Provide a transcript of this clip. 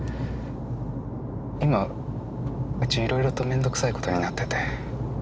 今うちいろいろと面倒くさい事になってて。